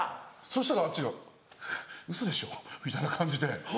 そしたらあっちが「ウソでしょ」みたいな感じで。